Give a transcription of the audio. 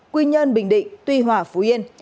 quy nhơn bình định tuy hòa phú yên